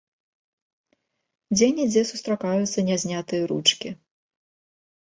Дзе-нідзе сустракаюцца не знятыя ручкі.